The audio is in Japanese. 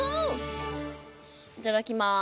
いただきます！